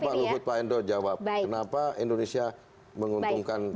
bisa nggak pak luhut pak endro jawab kenapa indonesia menguntungkan negara tiongkok